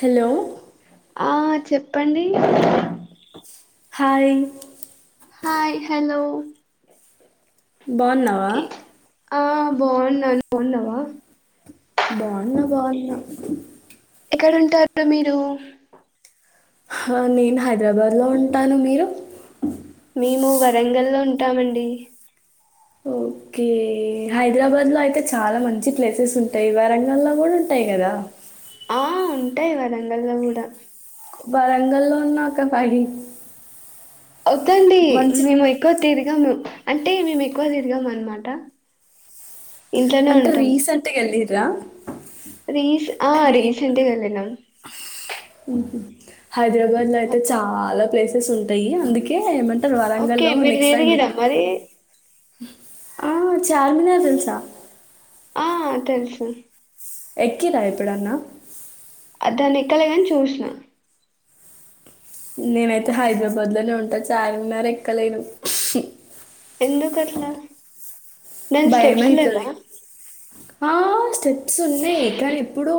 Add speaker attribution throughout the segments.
Speaker 1: Hello
Speaker 2: ఆ చెప్పండి
Speaker 1: hi
Speaker 2: hi hello
Speaker 1: బావున్నావా
Speaker 2: బావున్న నువ్ బావున్నావా
Speaker 1: బావున్న బావున్న
Speaker 2: ఎక్కడుంటారు మీరు
Speaker 1: హా నేను హైదరాబాద్ లో ఉంటాను మీరు
Speaker 2: మేము వరంగల్ లో ఉంటామండి
Speaker 1: ఓకే హైదరాబాద్ లో అయితే చాలా మంచి ప్లేసెస్ ఉంటయి వరంగల్లో కూడా ఉంటయి టై కదా
Speaker 2: ఆ ఉంటయి వరంగల్లో కూడా
Speaker 1: వరంగల్లో ఉన్న ఒక ఫైవ్
Speaker 2: అవుతండి
Speaker 1: మంచి
Speaker 2: మేము ఎక్కువ తిర్ గము అంటే మేము ఎక్కువ తిరగము అనమాట ఇంట్లనే
Speaker 1: అంటే
Speaker 2: ఉంటం
Speaker 1: రీసెంట్గా వెళ్ళిర్రా
Speaker 2: రీస్ ఆ
Speaker 1: రీ
Speaker 2: రీసెంట్గా ఎల్లినం
Speaker 1: హైదరాబాద్ లో అయితే చాలా ప్లేసెస్ ఉంటాయి అందుకే ఏమన్ టరు
Speaker 2: ఓకే
Speaker 1: వరంగల్లో
Speaker 2: మీరు
Speaker 1: నెక్స్ట్ టైమ్ వీ
Speaker 2: తిరిగిరా మరి
Speaker 1: ఆ చార్మినార్ తెలుసా
Speaker 2: ఆ తెలుసు
Speaker 1: ఎక్కిరా ఎప్పుడన్న
Speaker 2: అ దాన్ని ఎక్కలేగాని చుశ్నా
Speaker 1: నేనైతే హైదరాబాద్ లోనే ఉంటా చార్మినార్ ఎక్కలేను
Speaker 2: ఎందుకు అట్లా దాని
Speaker 1: భయం
Speaker 2: స్టెప్స్
Speaker 1: అయితది
Speaker 2: లేవా
Speaker 1: ఆ స్టెప్స్ ఉన్నాయి కానీ ఎప్పుడు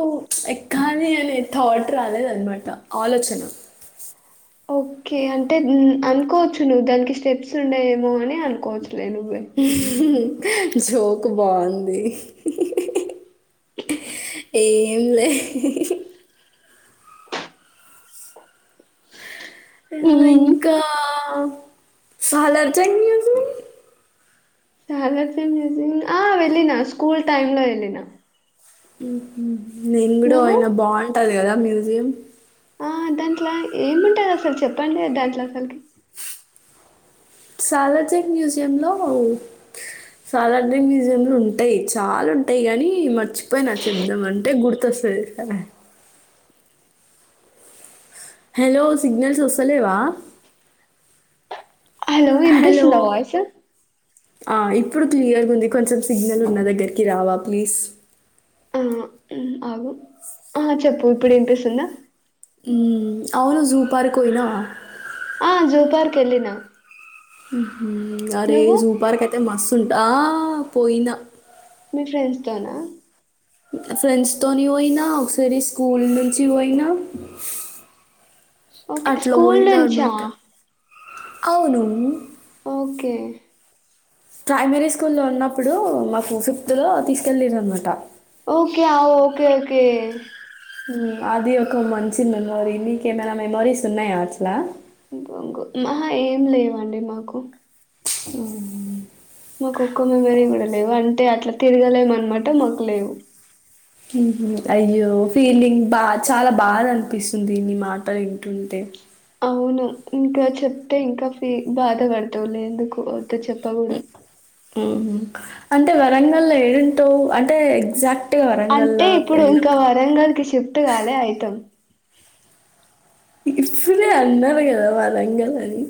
Speaker 1: ఎక్కాలి అనే థాట్ రాలేదనమాట ఆలోచన
Speaker 2: ఓకే అంటే అనుకోవచ్చు నువ్వు దానికి స్టెప్స్ ఉండయేమో అని అనుకోవచ్చు
Speaker 1: జోక్ బావుంది ఏం లే ఆ
Speaker 2: హ్మ్.
Speaker 1: ఇంకా సాలార్జంగ్ మ్యూస్
Speaker 2: సాలార్జంగ్ ముసుయేం ఆ వెళ్ళిన స్కూల్ టైమ్ లో వెళ్ళిన
Speaker 1: నేన్ కూడ
Speaker 2: నువ్వు?
Speaker 1: ఒయినా బాగుంటది కదా మ్యూజియం
Speaker 2: ఆ దాంట్ల ఏముంటది అసలు చెప్పండి దాంట్లో అసలుకి
Speaker 1: సాలార్జంగ్ మ్యూజియమ్ లో సాలార్జింగ్ మ్యూజియం లో ఉంటాయి చాలా ఉంటయి గాని మర్చిపోయినా చెప్ధం అంటే గుర్తొస్త స హలో సిగ్నల్స్ వస్తలేవా
Speaker 2: హలో
Speaker 1: హలో.
Speaker 2: వినిపిస్తుంద వయిస్
Speaker 1: ఆ ఇప్పుడు క్లియర్గా ఉంది కొంచెం సిగ్నల్ ఉన్న దగ్గరికి రావా ప్లీజ్
Speaker 2: మ్ ఆగు ఆ చెప్పు ఇప్పుడు వినిపిస్తుందా
Speaker 1: ఉమ్ అవును జూ పార్క్ పోయినవా
Speaker 2: ఆ జూ పార్క్ వెళ్ళినా
Speaker 1: అరే జూ పార్క్ అయితే మస్సు ఉంట ఆ పోయినా
Speaker 2: మీ ఫ్రెండ్స్ తోనా
Speaker 1: ఫ్రెండ్స్ తోని పోయిన ఒకసారి స్కూల్ నుంచి పోయినా
Speaker 2: ఓకే.
Speaker 1: అట్లా
Speaker 2: స్కూల్
Speaker 1: వోయినా
Speaker 2: నుంచా?
Speaker 1: అనమాట అవును
Speaker 2: ఓకే
Speaker 1: ప్రైమరీ స్కూల్ లో ఉన్నప్పుడు మాకు ఫిఫ్త్ లో తీసుకెల్లీరు అనమాట
Speaker 2: ఓకే ఆ ఓకే ఓకే
Speaker 1: అది ఒక మంచి మెమోరీ నీకేమైనా మెమొరీస్ ఉన్నాయా అట్లా
Speaker 2: మహా ఏం లేవండి మాకు
Speaker 1: ఉ
Speaker 2: మాకు ఒక్క మెమరీ కూడా లేవు అంటే అట్లా తిరగలేమ అన్నమాట మాకు లేవు
Speaker 1: అయ్యో ఫీలింగ్ బా చాలా బాధ అనిపిస్తుంది నీ మాటలు వింటుంటే
Speaker 2: అవును ఇంకా చెప్తే ఇంకా ఫీ బాధ పడుతలే ఎందుకు అతే చెప్ప కూడా
Speaker 1: ఉ అంటే వరంగల్ల్లో ఏడుంటావు అంటే ఎగ్జాక్ట్
Speaker 2: అంటే ఇప్పుడు ఇంకా వరంగల్ క షిఫ్ట్ కదే అఐతం
Speaker 1: ఇరుచలే అన్నారు కదా వరంగల అని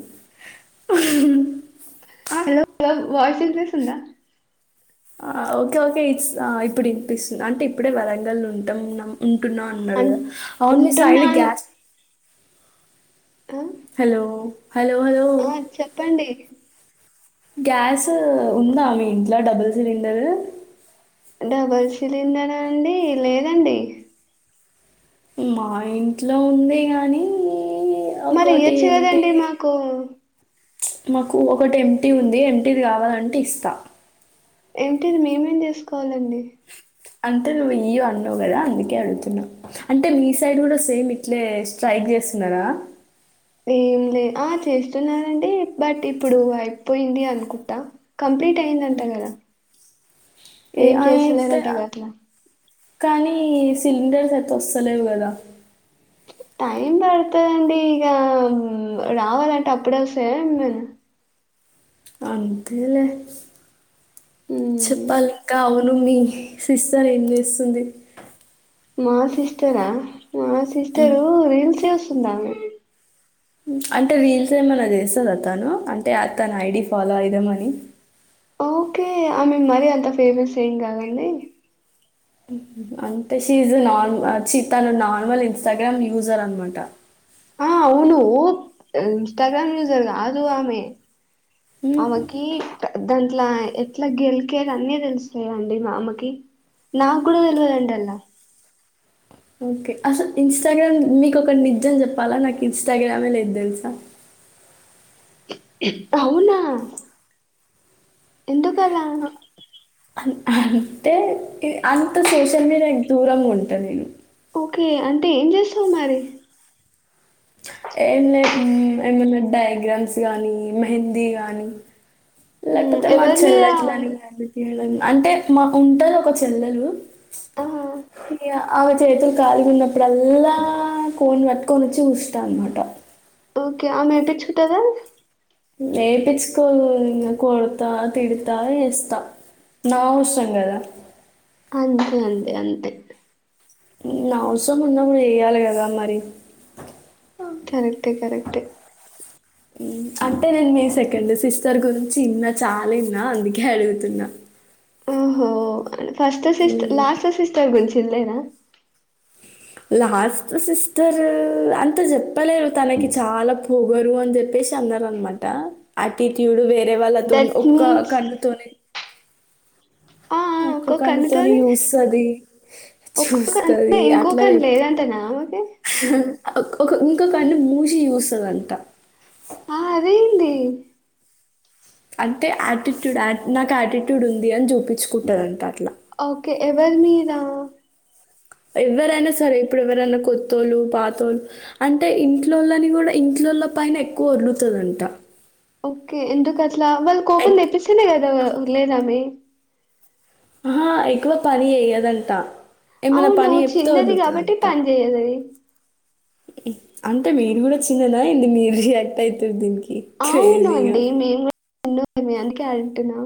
Speaker 1: ఆ,
Speaker 2: హలో వయిస్ ఇనిపిస్తుందా
Speaker 1: ఆ ఓకే ఓకే ఇ ఇప్పుడు ఇనిపిస్తుంది అంటే ఇప్పుడే వరంగల్ ఉంటాం ఉ
Speaker 2: అన్
Speaker 1: అవునుమ
Speaker 2: ఉంటున్నా
Speaker 1: సైడ్
Speaker 2: అన్
Speaker 1: గ్యాస్
Speaker 2: ఆ
Speaker 1: హలో హలో! హలో!
Speaker 2: ఆ చెప్పండి
Speaker 1: గ్యాస్ ఉందా మీ ఇంట్లో డబుల్ సిలిండర్
Speaker 2: డబల్ సిలిండరా అండి లేదండి
Speaker 1: మా ఇంట్లో ఉంది గాని
Speaker 2: మరి ఇయ్యొచ్చు కదండి మాకు
Speaker 1: మాకు ఒకటి ఎంప్టీ ఉంది ఎంప్టీది కావాలంటే ఇస్తా
Speaker 2: ఎంప్టీది మేమేం చేసుకోవాలండి
Speaker 1: అంటే నువ్వు ఇ్య అన్నావు కదా అందుకే అడుగుతున్నా్ అంటే మీ సైడ్ కూడా సేమ్ ఇట్లే స్ట్రైక్ చేస్తున్నారా
Speaker 2: ఏం లే ఆ చేస్తున్నానండి బట్ ఇప్పుడు అయిపోయింది అనుకుంటా కంప్లీట్ అయి యిందంట
Speaker 1: ఏ అయతే
Speaker 2: అట్లా
Speaker 1: కానీ సిలిండర్స్ అయితే వస్తలేవు కదా
Speaker 2: టైం పడుతుందండి ఇక రావాలంటే అప్పుడ వస్తాయా
Speaker 1: అంతేలే
Speaker 2: మ్మ్
Speaker 1: చెప్పలింకా అవు నవ్వు మీ సిస్టర్ ఎం చేస్తుంది
Speaker 2: మా సిస్టరా మా
Speaker 1: ఉమ్.
Speaker 2: సిస్టరు రీల్స్ చేస్తుందా
Speaker 1: అంటే రీల్స్ ఏమనా చేస్తుందా తను అంటే తను ఐడి ఫాలో అయిదామని
Speaker 2: ఓకే ఆమెే మరీ అంత ఫేమస్ ఏం కాదండి
Speaker 1: అంటే షీ ఈజ్ నార్మల్ చీ తను నార్మల్ ఇన్స్టాగ్రామ్ యూజర్ అనమాట
Speaker 2: ఆ అవును ఇన్స్టగ్రామ్ యూజర్ కాదు ఆమెే ఆమెకి ద అట్లా ఎట్లా గెలికేది అన్నీ తెలుస్తాయా అండి మా అమ్మకి నా కూడా తెలవలుంటన
Speaker 1: ఓకే అసలు ఇన్స్టాగ్రామ్ మీకు ఒకటి నిజం చెప్పాలా నాకు ఇన్స్టాగ్రామే లేదు తెలుసా
Speaker 2: అవునా ఎందుకాలా
Speaker 1: అంటే అంత సోషల్ మీడియా దూరంగా ఉంటాది
Speaker 2: ఓకే అంటే ఏం చేస్తుంది మరి
Speaker 1: ఏంచేస్తుంది ఏమన్నా డయాగ్రామ్స్ కానీ మెహందీ గానీ
Speaker 2: ఉమ్,
Speaker 1: లేకపోతే మా
Speaker 2: ఎవరి మీద
Speaker 1: చెల్లటిలాని బ తీయాల అంటే మా ఉంటారు ఒక చెల్లెలు
Speaker 2: ఆహా,
Speaker 1: అవు చేతులు కాలీగు ఉన్నప్పుడల్లా కోని పెట్టుకొని వచ్చి చస్తా అనమాట
Speaker 2: ఓకే ఆమె పెచ్చుకుంటందా
Speaker 1: లేేపించుకో కొడతా తిడుతా వేస్తా నా అవసరం గదా
Speaker 2: అంతే అండి అంతే
Speaker 1: మ్ అవసరం ఉన్నాల్ చేయ్యాలి కదా మరి
Speaker 2: కరెక్ట్ే కరెక్ట్ే
Speaker 1: ఉమ్, అంటే నేను మీ సెకండ్ సిస్టర్ గురించి ఇన్న చాలా ఇన్నా అందుకే అడుగుతున్నా
Speaker 2: ఓహో ఫస్ట్ సిస్
Speaker 1: ఉమ్,
Speaker 2: లాస్ట్ సిస్టర్ గుంచి ఇంల్లేదా
Speaker 1: లాస్ట్ సిస్టర్ అంత చెప్పలేరు తనకి చాలా పొగరు అని చెప్పేస్ అన్నరనమాట ఆటిట్యూడ్ వేరే వాళ్ళతోని
Speaker 2: దట్
Speaker 1: ఒక్క
Speaker 2: మీన్స్
Speaker 1: కన్నుతోనే
Speaker 2: ఆ
Speaker 1: కన్నుతోని
Speaker 2: ఒక్కొక్కనితోని
Speaker 1: చూస్తది
Speaker 2: ఒక్కొక్క
Speaker 1: చూస్తది అట్లా
Speaker 2: ఇంకొకన్
Speaker 1: చెప్
Speaker 2: లేదంటనా ఆమెకి
Speaker 1: ఒక ఇంకొకన్ను మూషి చూస్తాదంట
Speaker 2: ఆ అదేంది
Speaker 1: అంటే యాటిట్యూడ్ నాకు యాటిట్యూడ్ ఉంది అని చూపించుకుంటాదంట అట్లా
Speaker 2: ఓకే ఎవరి మీద
Speaker 1: ఎవరైనా సరే ఇప్పుడు ఎవరైనా కొత్తోళ్ళు పాతోళ్ళు అంటే ఇంట్లోల్లని కూడా ఇంట్లో ల్లల పైన ఎక్కువ వోల్లుతదంట
Speaker 2: ఓకే ఎందుకు అట్లా వాళ్ళు కోపం
Speaker 1: ఎక్-
Speaker 2: తెప్పిస్తేనే కదా ఒళ్ళేదామె
Speaker 1: ఆహ ఎక్కువ పని అయ్యదంట ఏమైనా
Speaker 2: అవును.
Speaker 1: పని చెప్తే
Speaker 2: చిన్నది కాబట్టి
Speaker 1: ఒర్రుతదంట
Speaker 2: పని జేయదది.
Speaker 1: అంటే మీరు కూడా చిన్నదా ఏంది మీరు రియాక్ట్ అయితుార్ దీనికి క్రేజీగా.
Speaker 2: అవునండి మేము కూడా నమే అందుకే అంటున్నా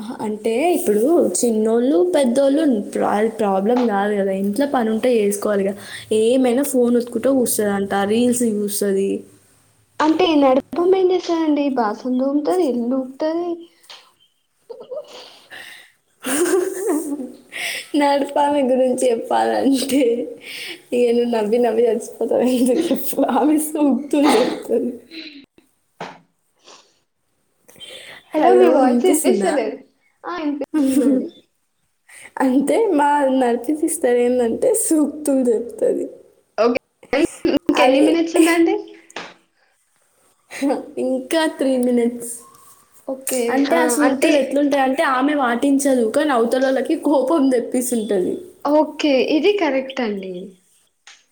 Speaker 1: అహ అంటే ఇప్పుడు చిన్నోళ్ళు పెద్దోళ్ళు ప్రా అది ప్రాబ్లం కాదు కదా ఇంట్ల పని ఉంటే వేసుకోవాలి గా ఏమైనా ఫోన్ ఓత్తుకుంట చుస్తదంట రీల్స్ చుస్తది
Speaker 2: అంటే నడిపమేం చేస్తాదండి బాసల్ తూముతది ఇల్లుఊడ్తది
Speaker 1: నడిపామే గురించి చెప్పాలంటే ఇగ నవ్ నవ్వి నవ్వి చచ్ పోతావ్ ఎందుకు చెప్పు ఆమె సూక్తులు చెప్తది హలో
Speaker 2: మీ వాయిస్
Speaker 1: ఇనిపిస్తుందా
Speaker 2: ఇనిపిస్తలేదు. ఆ! ఇనిపిస్తుందండి.
Speaker 1: అంటే మా నడిపి తసిస్టర్ ఏందంటే సూక్తులు చెప్తది
Speaker 2: ఒకే ఇంకెన్ని మినిట్స్ ఉందాండి
Speaker 1: ఇంకా త్రీ మీనిట్స్
Speaker 2: ఓకే.
Speaker 1: అంటే ఆ
Speaker 2: అంటే
Speaker 1: సూక్తులు ఎట్లుంటాయ్ అంటే ఆమె వాట్ పాటించదు కానీ అవతలొల్లకి కోపం తెప్పిసుంది
Speaker 2: ఓకే ఇది కరెక్ అండి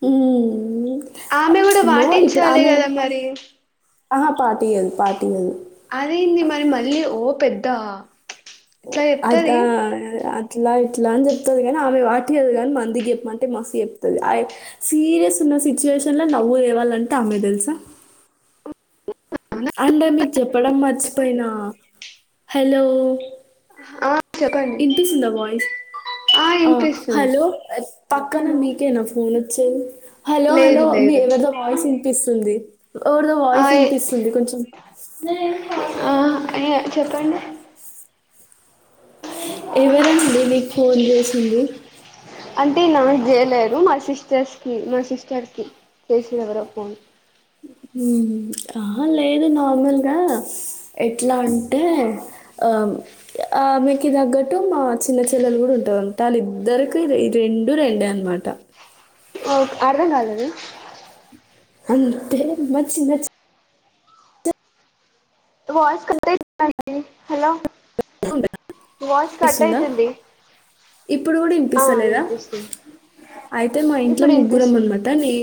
Speaker 1: హుమ్ మ్
Speaker 2: ఆమె కూడా వాటించాలి గదా మరి
Speaker 1: ఆహా పాటియ్యదు పాట్
Speaker 2: అదైంది మరి మళ్ళీ ఓ పెద్ద ఇట్లా
Speaker 1: అదా
Speaker 2: చెప్తది
Speaker 1: అద్ ఇట్లా ఇట్లా అని చెప్తుంది కాని ఆమె వాటియదు కాని మందికి చెప్పంటే మస్త్ చెప్తుంది సీరియస్ న సిచ్యువేషన్ ల నవ్వు లేేవాలంటే ఆమె తెలుసా అంటే మీకు చెప్పడం మర్చిపోయినా హలో
Speaker 2: ఆ చెప్పండి
Speaker 1: ఇనిపిస్తుందా వాయిస్ ఆ హలో పక్కన మీకేనా ఫోన్ చ్ హలో
Speaker 2: లేదు
Speaker 1: హలో మీ
Speaker 2: లేదు
Speaker 1: ఎవరిదో వాయిస్ వినిపిస్తుంది ఎవరిదో
Speaker 2: ఆ
Speaker 1: వాయిస్ వినిపిస్తుంది కొంచెం
Speaker 2: ఆ ఎ చెప్పండి
Speaker 1: ఎవరండి మీీకు ఫోన్ చేసింది
Speaker 2: అంటే నాక్ చేయలేదు మా సిస్టర్స్కి మా సిస్టర్కి చేసిళ్ళు ఎవరో ఫోన్
Speaker 1: మ్మ్ అహ లేదు నార్మల్గా ఎట్లా అంటే ఆ ఆ మీకు తగ్గట్టు మా చిన్న చెల్లెలు కూడా ఉంటాదంట వాళ్ళిద్దరికి రెండ్ రెండు రెండే అన్నమాట
Speaker 2: ఓ అర్థం కాలేదు
Speaker 1: అంతే మచ్చి మచ్చి
Speaker 2: వయిస్ కట్ ఐతుందండి హలో
Speaker 1: చెల్లె ఉంటది.
Speaker 2: వాయిస్ కట్
Speaker 1: ఇనిపిస్తుందా?
Speaker 2: అయితుంది
Speaker 1: ఇప్పుడు కూడా
Speaker 2: ఆ
Speaker 1: ఇనిపిస్తలేదా
Speaker 2: వినిపిస్తుంది
Speaker 1: అయితే మా ఇంట్లో
Speaker 2: ఇప్పుడు
Speaker 1: ముగ్గురం
Speaker 2: వినిపిస్తుంది
Speaker 1: అనమాట నీ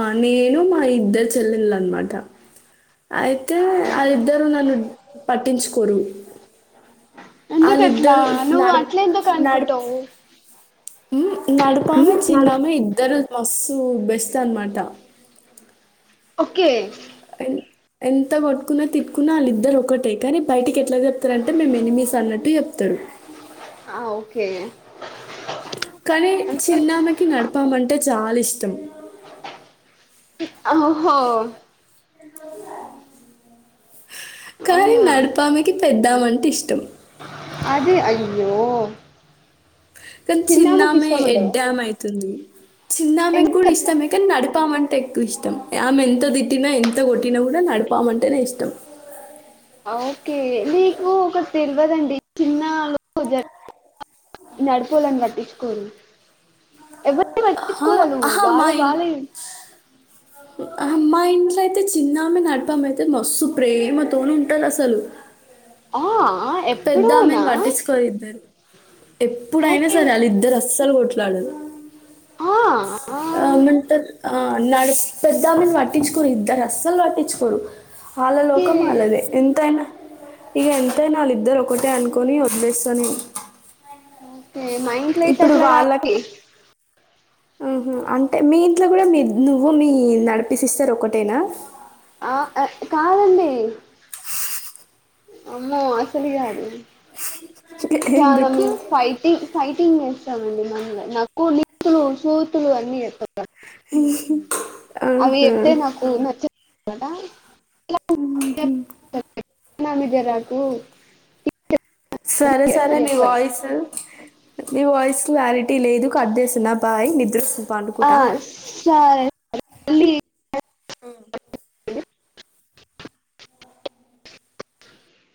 Speaker 1: ఆ నేను మా ఇద్దరు చెల్లెళ్లు అన్నమాట అయితే వాళ్ళిద్దరు నన్ను పట్టించుకోరు
Speaker 2: ఎందుకు అట్లా
Speaker 1: అళిద్దరు
Speaker 2: నువ్వు
Speaker 1: నడిప్
Speaker 2: అట్లా ఎందుకు
Speaker 1: నడిప్
Speaker 2: అనుకుంటావు
Speaker 1: నడిపమే చిన్నమే ఇద్దరు మస్సు బెస్ట్ అనమాట
Speaker 2: ఓకే
Speaker 1: ఎన్ ఎంత కొట్టుకున్నా తిట్కున్నా వాళ్ళిద్దరు ఒకటే కానీ బయటకి ఎట్లా చెప్తారంటే మేము ఎనిమీస్ అన్నట్టు చెప్తారు [inaudible]
Speaker 2: ఆ ఓకే
Speaker 1: కానీ
Speaker 2: అంటే
Speaker 1: చిన్నామకి నడపామంటే చాలా ఇష్టం
Speaker 2: ఆ ఓహో
Speaker 1: కానీ
Speaker 2: అవునా
Speaker 1: నడపామకి పెద్దామంటే ఇష్టం
Speaker 2: అదే అయ్యో
Speaker 1: కానీ
Speaker 2: చిన్నామకి
Speaker 1: చిన్నమే
Speaker 2: ఇష్టం ఉండదా
Speaker 1: ఎడ్డమ అయితుంది చిన్నమకి కూడా
Speaker 2: ఎందుకు అట్లా
Speaker 1: ఇష్టమే కానీ నడిపామ టె ఎక్కువ ఇష్టం ఆమె ఎంత తిట్టినా ఎంత కొట్టినా కూడా నడిపామంటేనే ఇష్టం
Speaker 2: ఆ ఓకే నీకు ఒక తెలివదండి చిన్నవాల్లు జ నడుపోలనీ పాటించుకోరు ఎవ్వర్ని
Speaker 1: ఆహా,
Speaker 2: పాటించుకోలు
Speaker 1: ఆహా, మా
Speaker 2: వాల్లు
Speaker 1: ఇన్
Speaker 2: వాల్లె
Speaker 1: మా ఇంట్లో అయితే చిన్నమ నడపమ అయితే మస్తు ప్రేమతోను ఉంటారు అసలు
Speaker 2: హా
Speaker 1: పెద్దామని పట్టించుకోరు ఇద్దరు ఎప్పుడైనా
Speaker 2: ఓకే
Speaker 1: సరే వాళ్ళు ఇద్దరు అస్సలు కొట్ కోట్లాడారు
Speaker 2: ఆ ఆ
Speaker 1: ఆమెంటర్ ఆ నడ్ పెద్దామ్మని పట్టించుకోరు ఇద్దా అస్సలు పట్టించుకోరు వాళ్ళ
Speaker 2: ఓకే
Speaker 1: లోకం వాళ్ళదే ఎంతైనా ఇక ఎంత ఎంతైనా వాళ్ళిద్దరు ఒకటే అనుకొని వదిలేస్త నేను
Speaker 2: ఏ మా ఇంట్లో ఐతె అట్లా కాద్ తియ్
Speaker 1: ఆహ అంటే మీ ఇంట్లో కూడా మీ నువ్వు మీ నడిపి సిస్టర్ ఒకటేనా
Speaker 2: ఆ ఇ కాదండి అమ్మో అసలే కాదు చాలా
Speaker 1: ఎందుకు
Speaker 2: మేమ్ ఫైటింగ్ ఫైటింగ్ చేస్తామ్ [inaudible] నాకు [inaudible] అన్నీ చెత్తం అవి
Speaker 1: ఆహా
Speaker 2: చెప్తే నాకు నచ్చదు కదా
Speaker 1: హ్మ్ హు
Speaker 2: [inaudible]
Speaker 1: సరే సరే మీ
Speaker 2: చెప్పండి
Speaker 1: వాయిసు నీ వాయిస్ క్లారిటీ లేదు కట్ చేస్తున్నా బాయ్ నిద్ర ఒస్
Speaker 2: ఆ సరే మా [unintelligible]